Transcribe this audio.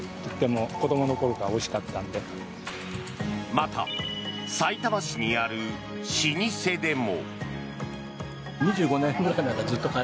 また、さいたま市にある老舗でも。